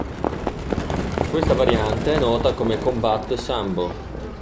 Questa variante è nota come Kombat Sambo.